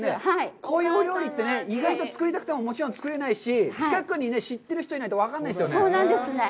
こういう料理って意外と作りたくても、もちろん作れないし、近くに知ってる人がいないと分からないですよね。